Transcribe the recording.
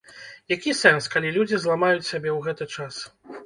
Які сэнс, калі людзі зламаюць сябе ў гэты час?!